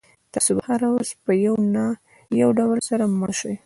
تاسو به هره ورځ په یو نه یو ډول سره مړ شئ.